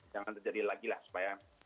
jangan terjadi lagi lah supaya